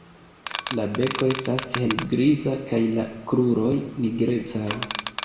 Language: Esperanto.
La beko estas helgriza kaj la kruroj nigrecaj.